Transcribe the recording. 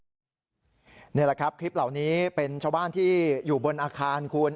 นี่แหละครับคลิปเหล่านี้เป็นชาวบ้านที่อยู่บนอาคารคุณ